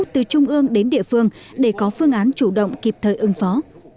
từ trung ương đến địa phương để có phương án chủ động kịp thời ứng phó